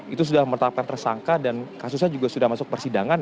itu sudah menetapkan tersangka dan kasusnya juga sudah masuk persidangan